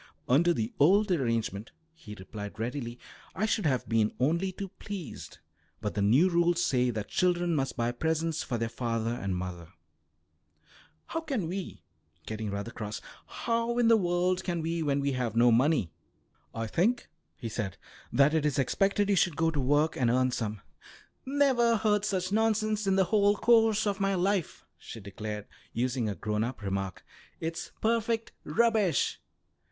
"Under the old arrangement," he replied readily, "I should have been only too pleased, but the new rules say that children must buy presents for their father and mother." "How can we," getting rather cross, "how in the world can we when we have no money?" "I think," he said, "that it is expected you should go to work and earn some." "Never heard such nonsense in the whole course of my life," she declared, using a grown up remark. "It's perfect rubbish.